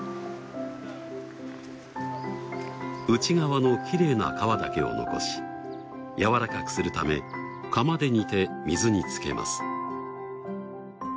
内側のきれいな皮だけを残しやわらかくするため釜で煮て水につけます。